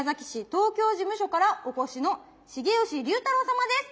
東京事務所からお越しの重吉龍太郎様です。